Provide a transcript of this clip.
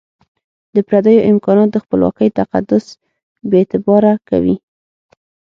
د پردیو امکانات د خپلواکۍ تقدس بي اعتباره کوي.